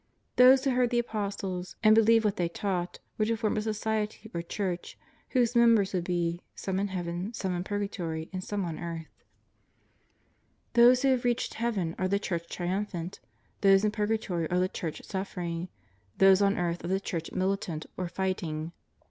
Those who heard the Apostles and believed what they taught were to form a society or Church whose members would be, some in Heaven, some in Purgatory and some on earth. Those who have reached Heaven 11 192 JESUS OF NAZARETH. are the Church Triumphant, those in Purgatory are the Church Suffering, those on earth are the Church Mili tant or Fighting.